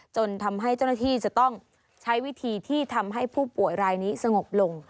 จนทำให้เจ้าหน้าที่จะต้องใช้วิธีที่ทำให้ผู้ป่วยรายนี้สงบลง